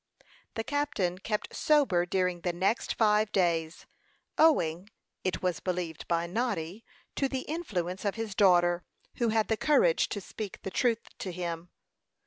The captain kept sober during the next five days, owing, it was believed by Noddy, to the influence of his daughter, who had the courage to speak the truth to him.